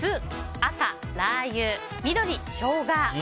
赤、ラー油緑、ショウガ。